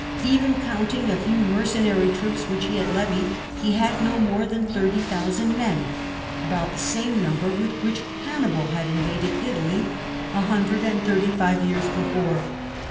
Even counting a few mercenary troops which he had levied, he had no more than 30,000 men — about the same number with which Hannibal had invaded Italy a hundred and thirty five years before.